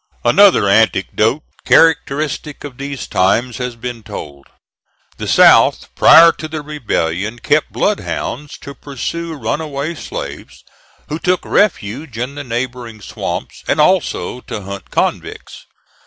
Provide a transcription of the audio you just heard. Another anecdote characteristic of these times has been told. The South, prior to the rebellion, kept bloodhounds to pursue runaway slaves who took refuge in the neighboring swamps, and also to hunt convicts.